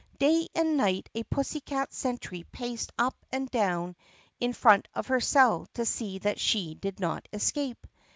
Day and night a pussycat sentry paced up and down in front of her cell to see that she did not escape.